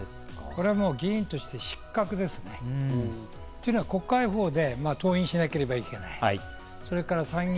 議員として失格ですね。というのは国会法で登院しなければいけない。